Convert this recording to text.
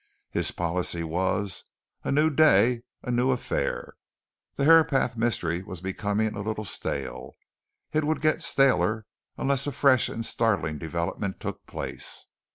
His policy was a new day, a new affair. The Herapath mystery was becoming a little stale it would get staler unless a fresh and startling development took place.